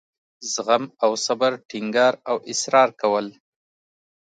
زغم او صبر ټینګار او اصرار کول.